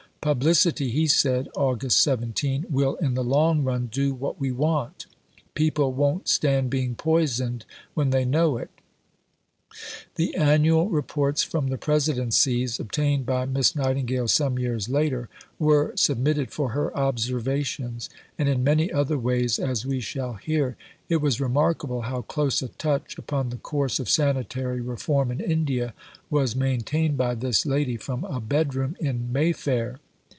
"Publicity," he said (Aug. 17), "will in the long run do what we want. People won't stand being poisoned when they know it." The annual Reports from the Presidencies, obtained by Miss Nightingale some years later (p. 155), were submitted for her "Observations"; and in many other ways, as we shall hear, it was remarkable how close a touch upon the course of sanitary reform in India was maintained by this lady from a bedroom in Mayfair.